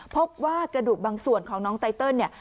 พบว่ากระดูกบางส่วนของน้องไตเติลเนี่ย